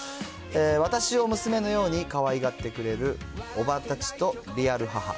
私を娘のようにかわいがってくれる叔母たちと、リアル母。